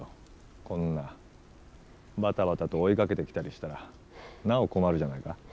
こんなばたばたと追いかけてきたりしたらなお困るじゃないか。